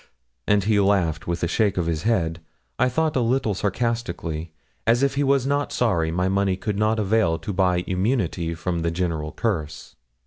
and he laughed with a shake of his head, I thought a little sarcastically, as if he was not sorry my money could not avail to buy immunity from the general curse.